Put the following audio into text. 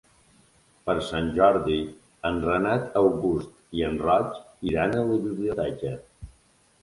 Per Sant Jordi en Renat August i en Roc iran a la biblioteca.